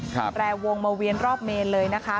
แตรวงมาเวียนรอบเมนเลยนะคะ